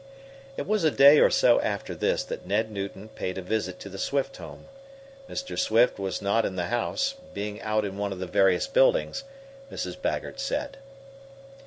It was a day or so after this that Ned Newton paid a visit to the Swift home. Mr. Swift was not in the house, being out in one of the various buildings, Mrs. Baggert said.